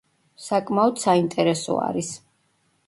საკმაოდ საინტერესო არის.